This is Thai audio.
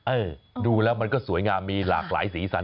เออดูแล้วมันก็สวยงามมีหลากหลายสีสัน